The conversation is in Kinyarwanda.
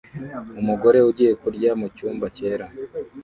Umugore ugiye kurya mucyumba cyera